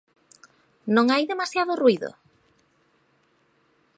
Non hai demasiado ruído?